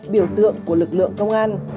biểu tượng của lực lượng công an